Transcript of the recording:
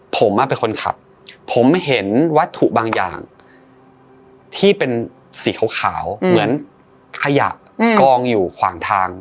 ผมเป็นคนขับผมเห็นวัตถุบางอย่างที่เป็นสีขาวเหมือนขยะกองอยู่ขวางทาง